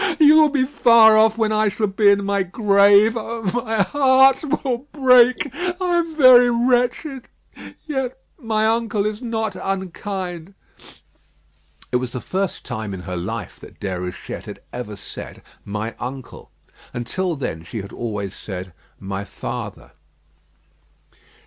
You will be far off when I shall be in my grave. Oh! my heart will break. I am very wretched; yet my uncle is not unkind." It was the first time in her life that Déruchette had ever said "my uncle." Until then she had always said "my father."